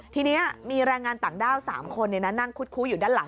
ทีนี้มีแรงงานต่างด้าว๓คนนั่งคุดคู้อยู่ด้านหลัง